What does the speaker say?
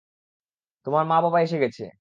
তোমার মা বাবা এসে গেছে।